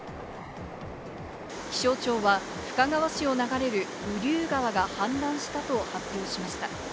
気象庁は深川市を流れる雨竜川が氾濫したと発表しました。